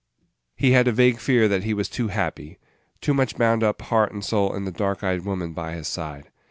He had a vague fear that he was too happy too much bound up heart and soul in the dark eyed woman by his side.